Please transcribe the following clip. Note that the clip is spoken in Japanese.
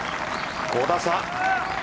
５打差。